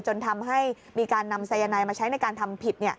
จนทำให้มีการนำสายนายมาใช้ในการทำผิด